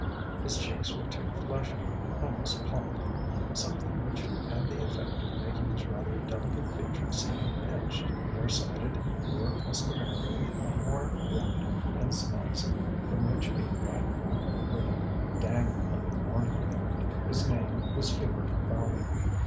His cheeks were too fleshy, almost plump: something which had the effect of making his rather delicate features seem pinched. Near sighted, he wore customarily a horn rimmed pince nez from which a wide black ribbon dangled like a mourning band. His name was Hubert Fowey.